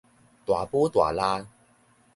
大舞大抐